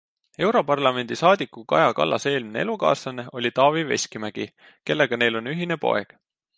Europarlamendi saadiku Kaja Kallase eelmine elukaaslane oli Taavi Veskimägi, kellega neil on ühine poeg.